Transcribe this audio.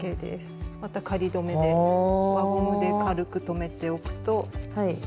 また仮どめで輪ゴムで軽くとめておくと。